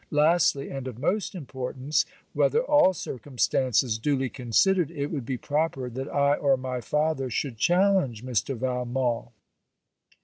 Lastly, and of most importance, whether all circumstances duly considered it would be proper that I or my father should challenge Mr. Valmont?